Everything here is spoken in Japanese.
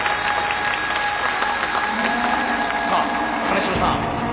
さあ金城さん